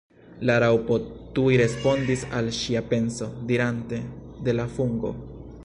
La Raŭpo tuj respondis al ŝia penso, dirante "De la fungo."